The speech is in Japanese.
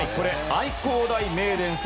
愛工大名電戦。